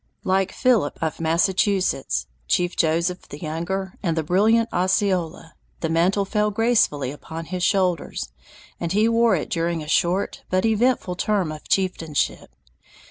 Like Philip of Massachusetts, Chief Joseph the younger, and the brilliant Osceola, the mantle fell gracefully upon his shoulders, and he wore it during a short but eventful term of chieftainship.